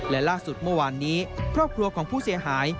และล่าสุดเมื่อวานนี้ครอบครัวของผู้เสียหาย